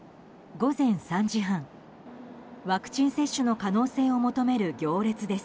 午前３時半、ワクチン接種の可能性を求める行列です。